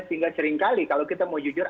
sehingga seringkali kalau kita mau jujur